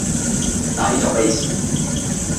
那一種類型